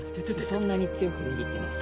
そんなに強く握ってない。